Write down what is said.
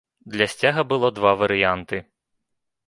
Для сцяга было два варыянты.